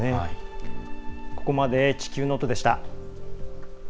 ここまで「地球ノート」でした。